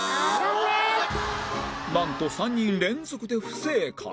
なんと３人連続で不正解